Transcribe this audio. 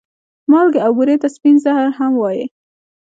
مالګې او بورې ته سپين زهر هم وايې